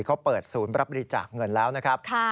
เขาเปิดศูนย์รับบริจาคเงินแล้วนะครับ